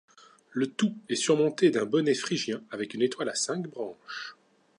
Le tout est surmonté d'un bonnet phrygien avec une étoile à cinq branches.